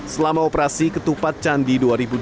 selama operasi ketupat candi dua ribu dua puluh